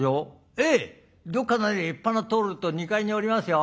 ええどっかの立派な棟梁と２階におりますよ。